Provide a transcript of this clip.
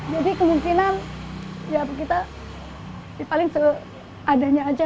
jadi kemungkinan kita paling seadanya aja